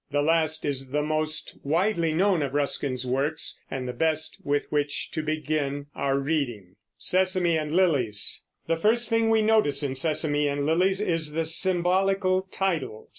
The last is the most widely known of Ruskin's works and the best with which to begin our reading. The first thing we notice in Sesame and Lilies is the symbolical title.